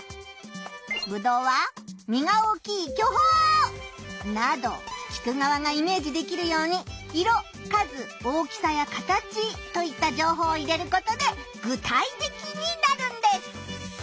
ぶどうは実が大きい巨峰。など聞くがわがイメージできるように色数大きさや形といった情報を入れることで具体的になるんです！